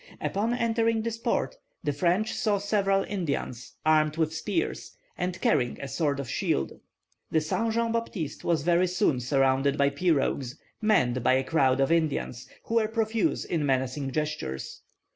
Upon entering this port, the French saw several Indians, armed with spears, and carrying a sort of shield. The Saint Jean Baptiste was very soon surrounded by pirogues, manned by a crowd of Indians, who were profuse in menacing gestures.